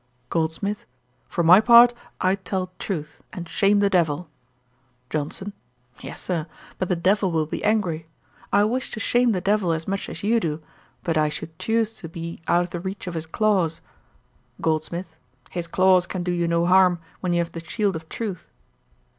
GOLDSMITH. 'For my part, I'd tell truth, and shame the devil.' JOHNSON. 'Yes, Sir; but the devil will be angry. I wish to shame the devil as much you do, but I should choose to be out of the reach of his claws.' GOLDSMITH. 'His claws can do you no harm, when you have the shield of truth.'